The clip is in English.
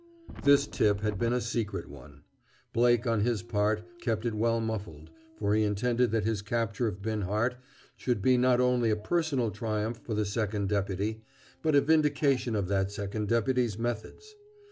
This tip had been a secret one. Blake, on his part, kept it well muffled, for he intended that his capture of Binhart should be not only a personal triumph for the Second Deputy, but a vindication of that Second Deputy's methods.